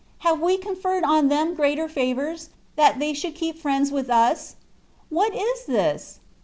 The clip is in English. Have we conferred on them greater favours, that they should keep friends with us? What is this?